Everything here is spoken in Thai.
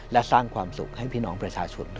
และสร้างความสุขให้พี่น้องประชาชน